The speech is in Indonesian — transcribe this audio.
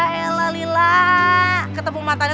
ketemu mantannya tuh bukan yang berarti mereka tuh bagus ya